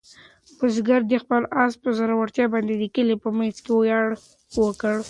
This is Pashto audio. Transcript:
بزګر د خپل آس په زړورتیا باندې د کلي په منځ کې ویاړ وکړ.